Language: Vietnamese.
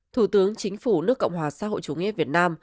thủ tướng chính phủ nước cộng hòa xã hội chủ nghĩa việt nam